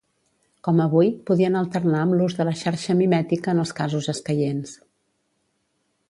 Com avui, podien alternar amb l'ús de la xarxa mimètica en els casos escaients.